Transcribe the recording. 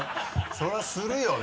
それはするよね？